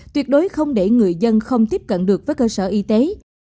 tuyệt đối không để người dân không tiếp cận được với cơ sở y tế